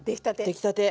出来たて。